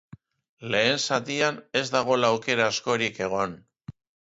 Lehen zatian ez da gol aukera askorik egon.